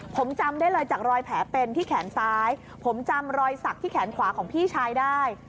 ผมจำได้เลยจากรอยแผลเป็นที่แขนซ้ายผมจำรอยสักที่แขนขวาของพี่ชายได้